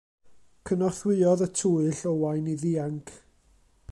Cynorthwyodd y twyll Owain i ddianc.